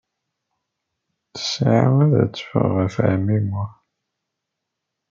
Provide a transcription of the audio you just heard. Ttesɛa ad teffeɣ ɣef ɛemmi Muḥ?